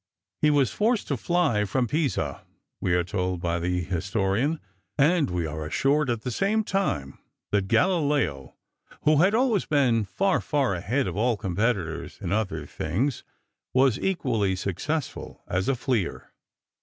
He was forced to fly from Pisa, we are told by the historian, and we are assured at the same time that Galileo, who had always been far, far ahead of all competitors in other things, was equally successful as a fleer.